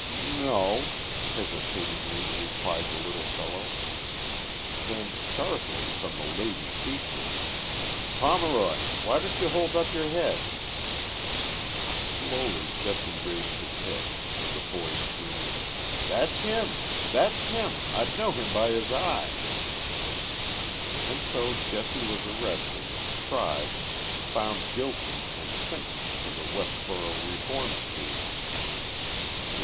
4 2s no,' hesitatingly replied the little fellow. Then, sharply, Irom the lady teacher : 4 Pomeroy ! why don't you hold up your head ?' Slowly Jesse raised his head and the boy screamed : 1 That's him ! that's him ! I*d know him by his eye !' And so Jesse was arrested, tried, found guilty and sentenced to the Westboro Reform School.